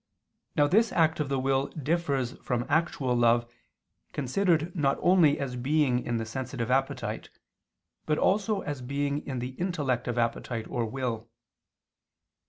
Now this act of the will differs from actual love, considered not only as being in the sensitive appetite but also as being in the intellective appetite or will.